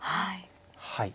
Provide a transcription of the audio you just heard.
はい。